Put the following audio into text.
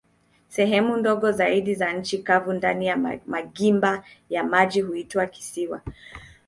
Sehemu ndogo zaidi za nchi kavu ndani ya magimba ya maji huitwa kisiwa.